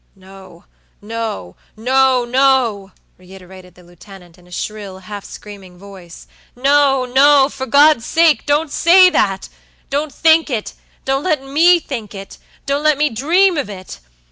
"No, no, no, no," reiterated the lieutenant, in a shrill, half screaming voice; "no, no! For God's sake, don't say that! Don't think itdon't let me think itdon't let me dream of it!